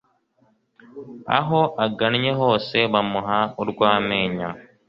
aho agannye hose bamuha urw'amenyo